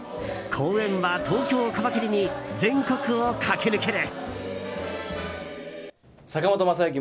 公演は東京を皮切りに全国を駆け抜ける。